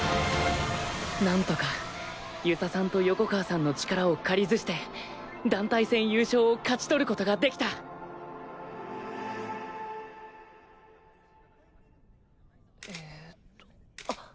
なんとか遊佐さんと横川さんの力を借りずして団体戦優勝を勝ち取ることができたえっと